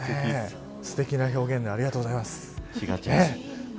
すてきな表現ありがとうございます。